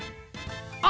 あ！